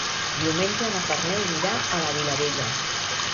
Diumenge na Farners irà a la Vilavella.